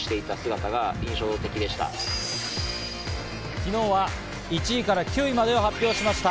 昨日は１位から９位までを発表しました。